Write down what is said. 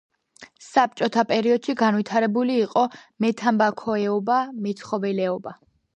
საბჭოთა პერიოდში განვითარებული იყო მეთამბაქოეობა, მეცხოველეობა.